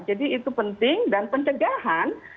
jadi itu penting dan pencegahan